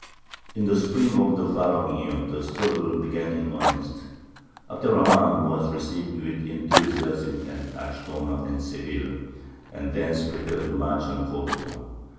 In the spring of the following year the struggle began in earnest. Abd er Rahmān was received with enthusiasm at Archidona and Seville, and thence prepared to march on Cordova.